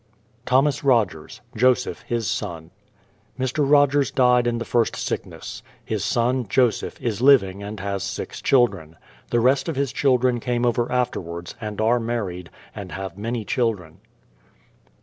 THOMAS ROGERS; Joseph, his son. Mr. Rogers died in the first sickness. His son, Joseph, is living and has six children. The rest of his children came over afterwards, and are married, and have many children.